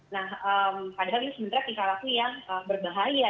nah padahal ini sebenarnya tingkah laku yang berbahaya